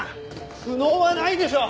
不能はないでしょう！